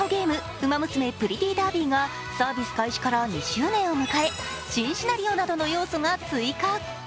「ウマ娘プリティーダービー」がサービス開始から２周年を迎え新シナリオなどの要素が追加。